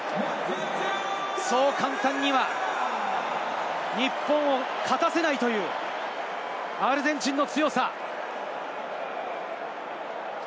そう簡単には日本を勝たせないというアルゼンチンの強さ。